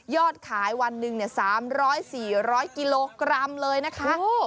ยอดขายวันหนึ่งเนี้ยสามร้อยสี่ร้อยกิโลกรัมเลยนะคะโอ้โห